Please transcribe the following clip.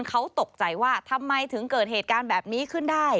เขาตกใจว่าทำไมถึงเกิดเหตุการณ์แบบนี้ขึ้นได้